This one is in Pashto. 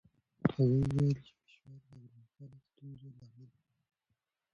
هغه وویل چې فشار د اوږدمهاله ستونزو لامل کېږي.